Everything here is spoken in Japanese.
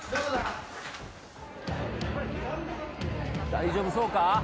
大丈夫そうか？